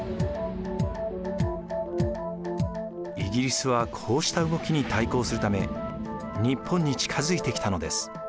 イギリスはこうした動きに対抗するため日本に近づいてきたのです。